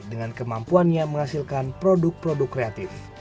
dengan kemampuannya menghasilkan produk produk kreatif